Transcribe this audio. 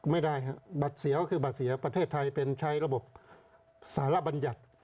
ไม่ได้ครับบัตรเสียก็คือบัตรเสียประเทศไทยเป็นใช้ระบบสารบัญญัติ